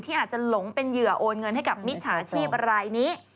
อาจจะหลงเป็นเหยื่อโอนเงินให้กับมิจฉาชีพอะไรนี้